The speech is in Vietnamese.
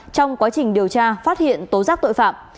trong quá trình điều tra phát hiện tố giác tội phạm